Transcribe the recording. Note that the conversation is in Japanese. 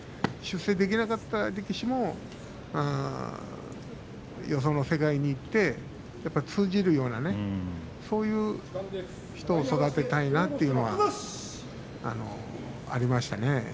出世できない力士もよその世界にいって通じるようなねそういう人を育てたいなっていうのがありましたね。